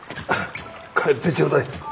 帰ってちょうだい。